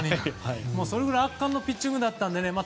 それぐらい圧巻のピッチングだったので。